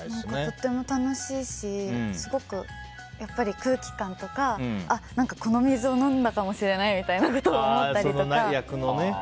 とっても楽しいしやっぱり空気感とかこの水を飲んだかもしれないみたいなことを思ったりとか。